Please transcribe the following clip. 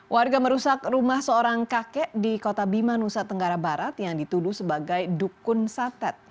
warga merusak rumah seorang kakek di kota bima nusa tenggara barat yang dituduh sebagai dukun satet